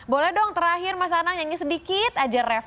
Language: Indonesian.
boleh dong terakhir mas anang nyanyi sedikit aja rev